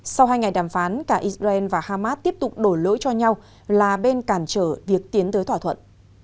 sau hai ngày đàm phán cả israel và hamas tiếp tục đổi lỗi cho nhau là bên cản trở việc tiến tới thỏa thuận